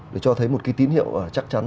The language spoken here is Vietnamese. để cho thấy một cái tín hiệu chắc chắn